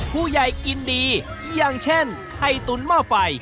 ผู้ใหญ่กินดีอย่างเช่นไข่ตุ๋นเมาะไฟ